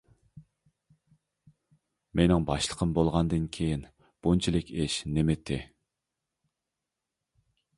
مېنىڭ باشلىقىم بولغاندىن كېيىن بۇنچىلىك ئىش نېمىتى؟ !